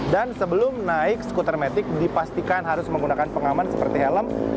dan sebelum naik scootermatic dipastikan harus menggunakan pengaman seperti helm